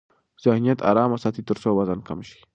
ذهنیت آرام وساتئ ترڅو وزن کم شي.